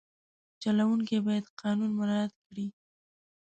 چلوونکی باید قانون مراعت کړي.